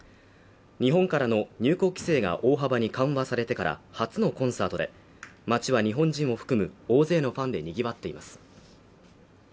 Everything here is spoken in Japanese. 日本からの入国規制が大幅に緩和されてから初のコンサートで街は日本人を含む大勢のファンでにぎわっています